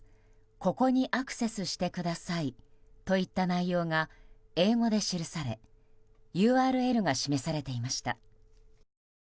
ここにアクセスしてくださいといった内容が英語で記されＵＲＬが示されていました。